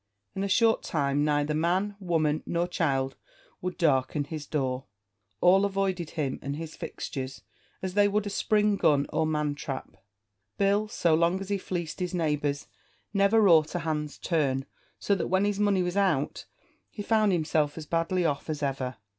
In a short time neither man, woman, nor child would darken his door; all avoided him and his fixtures as they would a spring gun or man trap. Bill, so long as he fleeced his neighbours, never wrought a hand's turn; so that when his money was out, he found himself as badly off as ever.